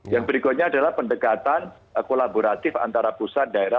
yang berikutnya adalah pendekatan kolaboratif antara pusat daerah